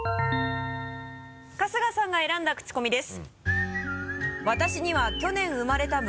春日さんが選んだクチコミです。